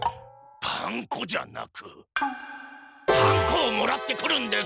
パン粉じゃなくハンコをもらってくるんです！